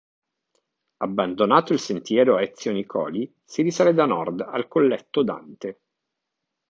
Abbandonato il sentiero Ezio Nicoli si risale da nord al Colletto Dante.